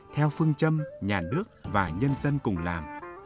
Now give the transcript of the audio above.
theo phương châm nhà nước và nhân dân cùng làm